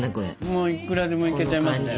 もういくらでもいけちゃいますね。